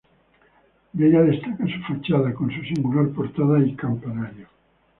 De ella destaca su fachada, con su singular portada, y campanario.